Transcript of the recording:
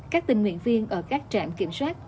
các tình nguyện viên ở các trạm kiểm soát